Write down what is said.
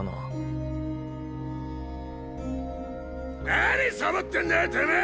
何サボってんだよてめぇ！